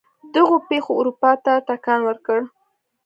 دغو پېښو اروپا ته ټکان ورکړ.